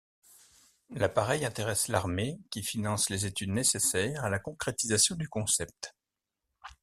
L'appareil intéresse l'armée qui finance les études nécessaires à la concrétisation du concept.